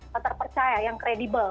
yang terpercaya yang kredibel